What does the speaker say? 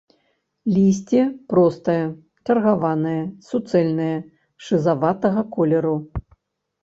Лісце простае, чаргаванае, суцэльнае, шызаватага колеру.